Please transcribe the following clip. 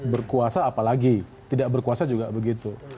berkuasa apalagi tidak berkuasa juga begitu